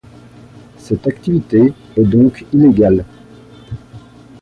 Cette activité est donc illégale.